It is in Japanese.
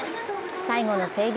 最後の整備